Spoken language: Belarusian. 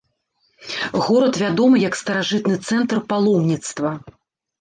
Горад вядомы як старажытны цэнтр паломніцтва.